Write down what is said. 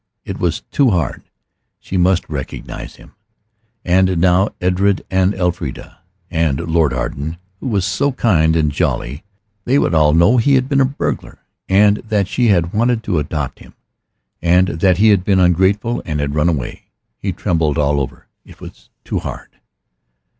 It was too hard; she must recognize him. And now Edred and Elfrida, and Lord Arden, who was so kind and jolly, they would all know that he had once been a burglar, and that she had wanted to adopt him, and that he had been ungrateful and had run away. He trembled all over. It was too hard.